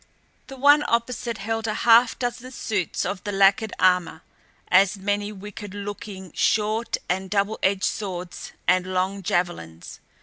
The one opposite held a half dozen suits of the lacquered armor, as many wicked looking, short and double edged swords and long javelins.